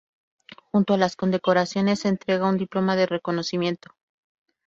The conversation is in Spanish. Junto a las condecoraciones, se entrega un Diploma de Reconocimiento.